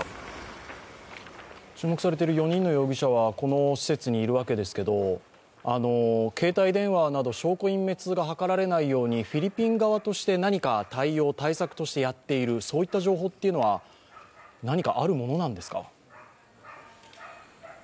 注目されている４人の容疑者はこの施設にいるわけですけれども、携帯電話など証拠隠滅が諮られないように、フィリピン側として何か対応、対策としてやっているという情報は何かあるものなんですか？